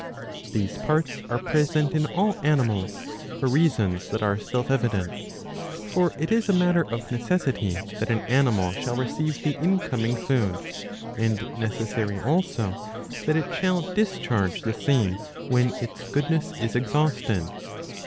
These parts are present in all animals, for reasons that are self evident. For it is a matter of necessity that an animal shall receive the incoming food ; and necessary also that it shall dis charge the same when its goodness is exhausted.